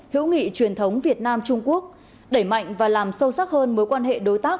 hữu nghị truyền thống việt nam trung quốc đẩy mạnh và làm sâu sắc hơn mối quan hệ đối tác